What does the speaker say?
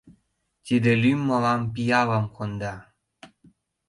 Тиде лӱм мылам пиалым конда.